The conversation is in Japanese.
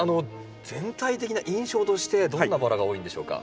全体的な印象としてどんなバラが多いんでしょうか？